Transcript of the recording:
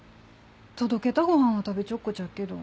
届けたご飯は食べちょっごちゃっけど。